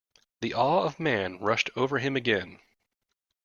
The awe of man rushed over him again.